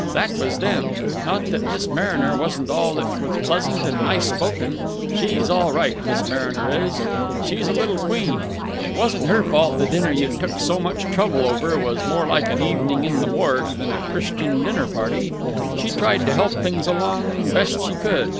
That was them! Not that Miss Mariner wasn't all that was pleasant and nice spoken. She's all right, Miss Mariner is. She's a little queen. It wasn't her fault the dinner you'd took so much trouble over was more like an evening in the Morgue than a Christian dinner party. She tried to help things along best she could.